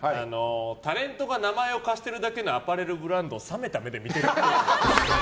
タレントが名前を貸しているだけのアパレルブランドを冷めた目で見てるっぽい。